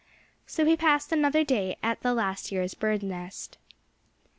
So he passed another day in the last year's bird's nest.